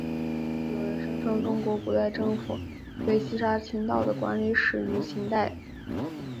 有人声称中国古代政府对西沙群岛的管理始于秦代。